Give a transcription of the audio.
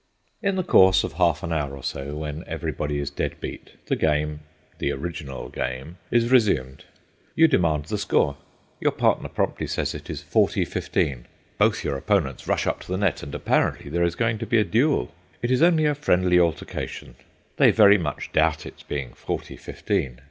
In the course of half an hour or so, when everybody is dead beat, the game—the original game—is resumed. You demand the score; your partner promptly says it is "forty fifteen." Both your opponents rush up to the net, and apparently there is going to be a duel. It is only a friendly altercation; they very much doubt its being "forty fifteen."